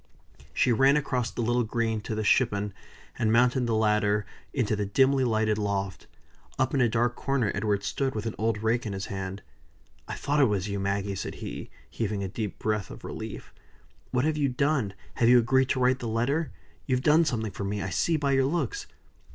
She ran across the little green to the shippon, and mounted the ladder into the dimly lighted loft. Up in a dark corner Edward stood, with an old rake in his hand. "I thought it was you, Maggie!" said he, heaving a deep breath of relief. "What have you done? Have you agreed to write the letter? You've done something for me, I see by your looks."